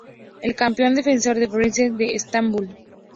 El campeón defensor es el Beşiktaş de Estambul.